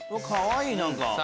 かわいい！